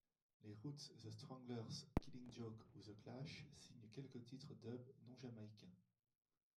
Les Ruts, The Stranglers, Killing Joke ou The Clash signent quelques titres dub non-jamaïcains.